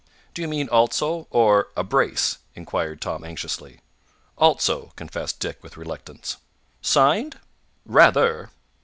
"Do you mean 'also' or 'a brace'?" inquired Tom anxiously. "'Also,'" confessed Dick with reluctance. "Signed?" "Rather!"